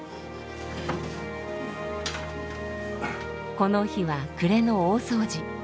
この日は暮れの大掃除。